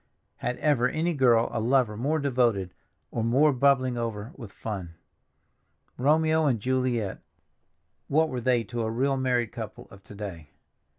Had ever any girl a lover more devoted or more bubbling over with fun? Romeo and Juliet—what were they to a real married couple of to day?